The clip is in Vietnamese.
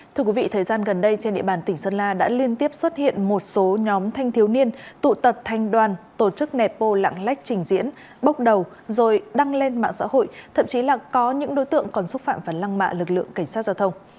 thưa quý vị thời gian gần đây trên địa bàn tỉnh sơn la đã liên tiếp xuất hiện một số nhóm thanh thiếu niên tụ tập thanh đoàn tổ chức nẹp bô lặng lách trình diễn bốc đầu rồi đăng lên mạng xã hội thậm chí là có những đối tượng còn xúc phạm và lăng mạ lực lượng cảnh sát giao thông